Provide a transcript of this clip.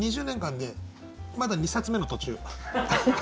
２０年間でまだ２冊目の途中。